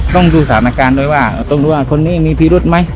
ต้องดูสถานการณ์ด้วยว่าต้องรู้ว่าคนนี้มีพิรุธไหม